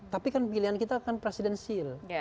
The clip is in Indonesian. tapi kan pilihan kita presidensial